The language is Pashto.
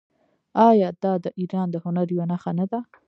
آیا دا د ایران د هنر یوه نښه نه ده؟